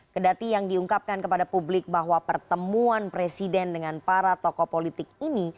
kedati yang diungkapkan kepada publik bahwa pertemuan presiden dengan para tokoh politik ini